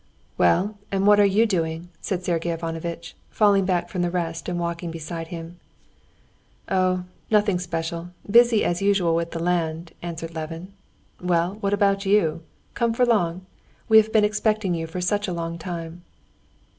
"Well, and what are you doing?" said Sergey Ivanovitch, falling back from the rest and walking beside him. "Oh, nothing special. Busy as usual with the land," answered Levin. "Well, and what about you? Come for long? We have been expecting you for such a long time."